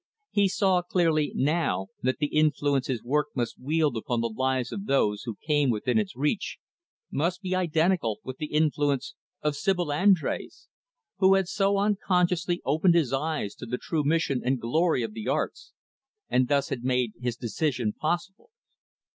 He saw clearly, now, that the influence his work must wield upon the lives of those who came within its reach, must be identical with the influence of Sibyl Andrés, who had so unconsciously opened his eyes to the true mission and glory of the arts, and thus had made his decision possible.